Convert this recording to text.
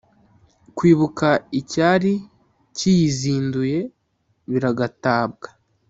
Kwibuka icyari kiyizinduye biragatabwa